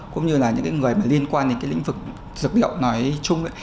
cũng như là những người liên quan đến lĩnh vực dược liệu nói chung